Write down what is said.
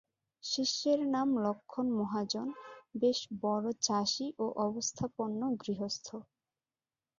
শিষ্যের নাম লক্ষ্মণ মহাজন, বেশ বড় চাষী ও অবস্থাপন্ন গৃহস্থ।